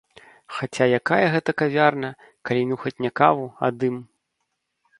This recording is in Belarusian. Хаця якая гэта кавярня, калі нюхаць не каву, а дым?